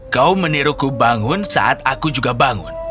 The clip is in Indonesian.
kau meniruku bangun saat aku juga bangun